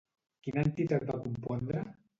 Quina entitat va compondre?